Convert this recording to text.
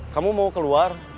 kamu mau keluar